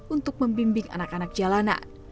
untuk membimbing anak anak jalanan